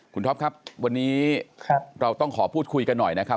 คุณท็อปครับวันนี้เราต้องขอพูดคุยกันหน่อยนะครับ